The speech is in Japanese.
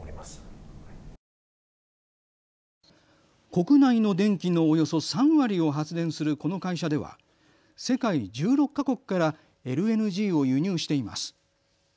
国内の電気のおよそ３割を発電するこの会社では世界１６か国からＬＮＧを輸入しています。